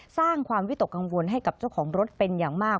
สร้างความวิตกกังวลให้กับเจ้าของรถเป็นอย่างมาก